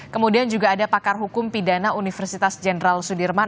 kemudian juga ada pakar hukum pidana universitas jenderal sudirman